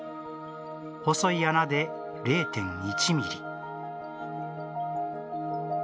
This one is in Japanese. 細い穴で０．１ミリ。